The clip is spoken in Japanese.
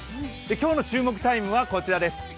今日の注目タイムはこちらです。